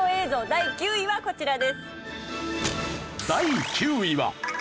第９位はこちらです。